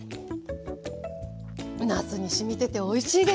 なすにしみてておいしいです。